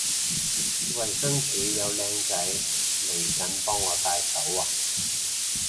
衛生署有靚仔嚟緊幫我戴手環